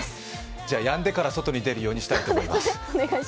じゃ、やんでから外に出るようにしたいと思います。